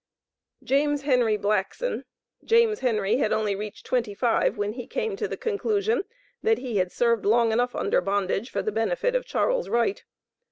JAMES HENRY BLACKSON. James Henry had only reached twenty five, when he came to the "conclusion, that he had served long enough under bondage for the benefit of Charles Wright."